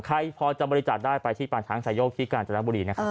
ใครพอจะบริจาณได้ไปที่ป่านทางสายโยคที่กาหันต์จัดลักษณ์บุรี